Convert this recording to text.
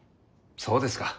そうですか。